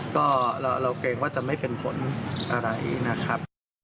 ก็เราเกรงว่าจะไม่เป็นผลอะไรนะครับ